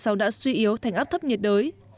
bão đã suy yếu thành áp thấp nhiệt đới